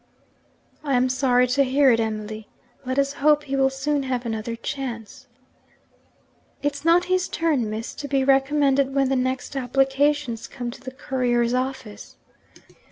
'I am sorry to hear it, Emily. Let us hope he will soon have another chance.' 'It's not his turn, Miss, to be recommended when the next applications come to the couriers' office.